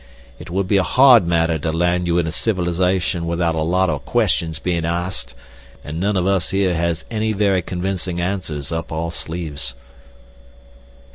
"It would be a hard matter to land you in civilization without a lot o' questions being asked, an' none o' us here has any very convincin' answers up our sleeves."